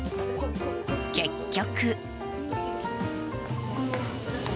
結局。